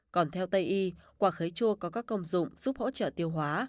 còn theo tây y quả khấy chua có các công dụng giúp hỗ trợ tiêu hóa